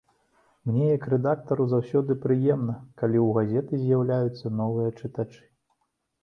Мне як рэдактару заўжды прыемна, калі ў газеты з'яўляюцца новыя чытачы.